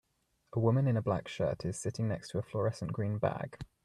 A woman in a black shirt is sitting next to a florescent green bag.